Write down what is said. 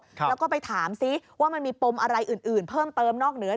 แล้วก็ไปถามซิว่ามันมีปมอะไรอื่นเพิ่มเติมนอกเหนือ